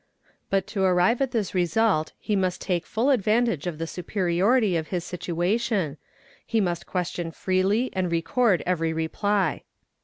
But to arrive at this result he must take full a dvantage of the superiority of his situation, he must question freely and record every reply.